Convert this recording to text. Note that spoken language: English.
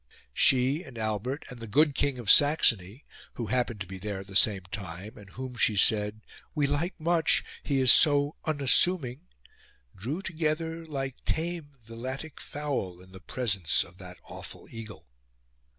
She and Albert and "the good King of Saxony," who happened to be there at the same time, and whom, she said, "we like much he is so unassuming " drew together like tame villatic fowl in the presence of that awful eagle.